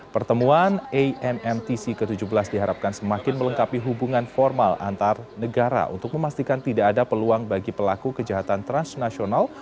pertemuan ammtc ke tujuh belas diharapkan semakin melengkapi hubungan formal antar negara untuk memastikan tidak ada peluang bagi pelaku kejahatan transnasional